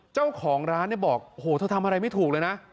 เจ้าของร้านเนี่ยบอกโอ้โหเธอทำอะไรไม่ถูกเลยนะ